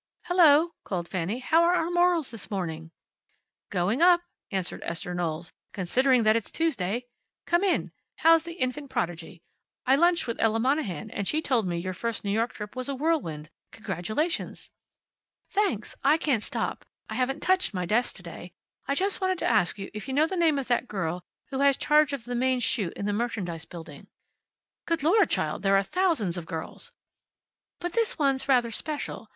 "Hello!" called Fanny. "How are our morals this morning?" "Going up!" answered Esther Knowles, "considering that it's Tuesday. Come in. How's the infant prodigy, I lunched with Ella Monahan, and she told me your first New York trip was a whirlwind. Congratulations!" "Thanks. I can't stop. I haven't touched my desk to day. I just want to ask you if you know the name of that girl who has charge of the main chute in the merchandise building." "Good Lord, child! There are thousands of girls." "But this one's rather special.